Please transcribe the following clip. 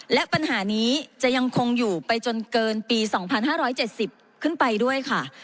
และปัญหานี้จะยังคงอยู่ไปจนเกินปี๒๕๗๐ขึ้นไปด้วยค่ะ